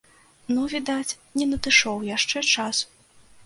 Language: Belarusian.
Ну, відаць, не надышоў яшчэ час.